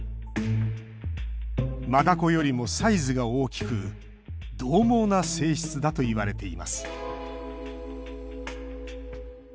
マダコよりもサイズが大きくどう猛な性質だといわれています。